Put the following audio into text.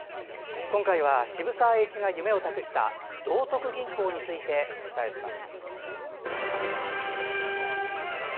今回は、渋沢栄一が夢を託した道徳銀行についてお伝えします。